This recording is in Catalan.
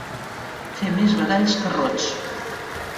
Fer més badalls que rots.